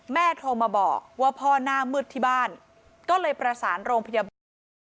โทรมาบอกว่าพ่อหน้ามืดที่บ้านก็เลยประสานโรงพยาบาล